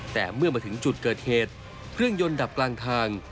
แต่เมื่อมาถึงจุดเกิดเหตุเครื่องยนต์ดับกลางทาง